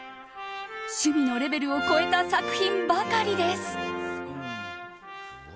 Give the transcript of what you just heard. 趣味のレベルを超えた作品ばかりです。